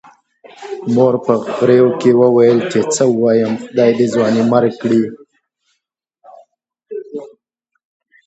مور په غريو کې وويل چې څه ووايم، خدای دې ځوانيمرګ کړي.